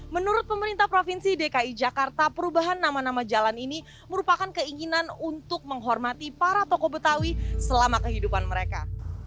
menurut pemerintah provinsi dki jakarta perubahan nama nama jalan ini merupakan keinginan untuk menghormati para tokoh betawi selama kehidupan mereka